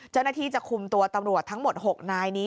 เจ้าหน้าที่จะคุมตัวตำรวจทั้งหมด๖นายนี้